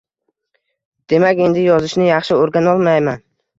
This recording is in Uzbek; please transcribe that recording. Demak, endi yozishni yaxshi o`rganolmayman